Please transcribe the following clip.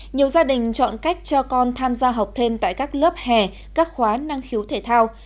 nhiều gia đình chọn cách cho con tham gia học thêm tại các lớp hè các khóa năng khiếu thể thao